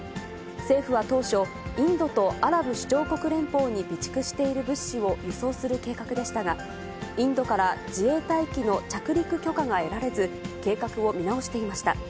政府は当初、インドとアラブ首長国連邦に備蓄している物資を輸送する計画でしたが、インドから自衛隊機の着陸許可が得られず、計画を見直していました。